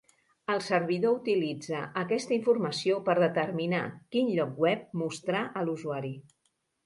El servidor utilitza aquesta informació per determinar quin lloc web mostrar a l'usuari.